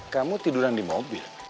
kamu tiduran di mobil